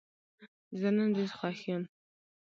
زه نن ډېر خوښ یم.